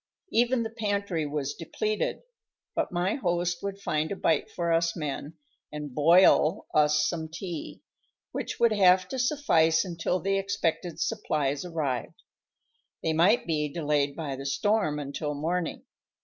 Even the pantry was depleted, but my host would find a bite for us men, and "boil" us some tea, which would have to suffice until the expected supplies arrived. They might be delayed by the storm until morning.